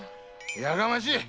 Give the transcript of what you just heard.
やかましい！